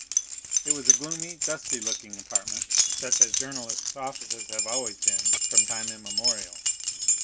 It was a gloomy, dusty looking apartment, such as journalists' offices have always been from time immemorial.